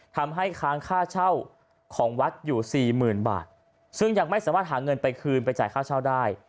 ค้างค่าเช่าของวัดอยู่สี่หมื่นบาทซึ่งยังไม่สามารถหาเงินไปคืนไปจ่ายค่าเช่าได้